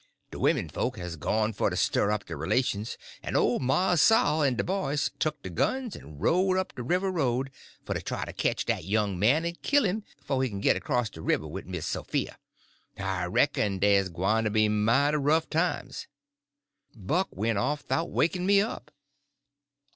De women folks has gone for to stir up de relations, en ole Mars Saul en de boys tuck dey guns en rode up de river road for to try to ketch dat young man en kill him 'fo' he kin git acrost de river wid Miss Sophia. I reck'n dey's gwyne to be mighty rough times." "Buck went off 'thout waking me up."